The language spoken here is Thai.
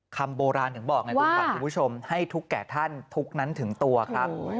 คำโบราณถึงบอกไงคุณขวัญคุณผู้ชมให้ทุกแก่ท่านทุกนั้นถึงตัวครับ